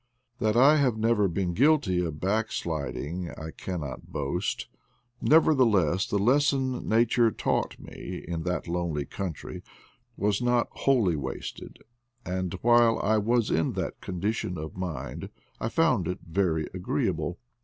That I have never been guilty of backsliding I cannot boast; nevertheless the les son nature taught me in that lonely country was not wholly wasted, and while I was in that con dition of mind I found it very agreeable.